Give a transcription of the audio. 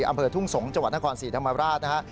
อำเภอทุ่งสงศ์จหน้าครสี่ธรรมราช